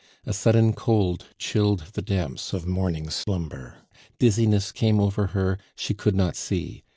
A sudden cold chilled the damps of morning slumber, dizziness came over her, she could not see.